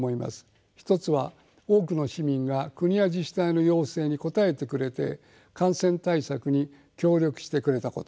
１つは多くの市民が国や自治体の要請に応えてくれて感染対策に協力してくれたこと。